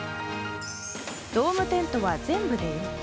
ドームテントは全部で４つ。